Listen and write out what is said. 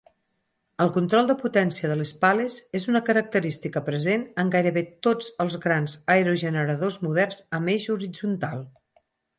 El control de potència de les pales és una característica present en gairebé tots els grans aerogeneradors moderns amb eix horitzontal.